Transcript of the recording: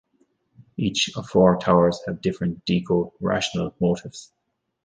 Each of four towers have different deco rational motifs.